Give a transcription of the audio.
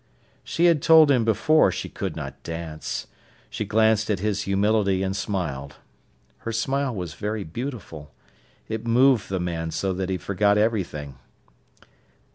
She had told him before she could not dance. She glanced at his humility and smiled. Her smile was very beautiful. It moved the man so that he forgot everything.